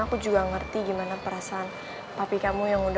tapi tuh helmnya memang bagus pun